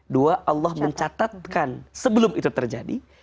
dua allah mencatatkan sebelum itu terjadi